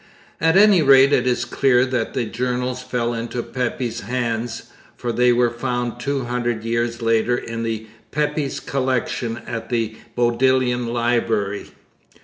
At any rate it is clear that the journals fell into Pepys' hands, for they were found two hundred years later in the Pepys collection at the Bodleian Library.